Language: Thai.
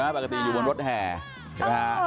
ใช่มะปกติอยู่บนรถแห่ใช่ปะ